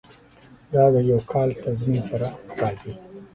دا د یو کال تضمین سره راځي.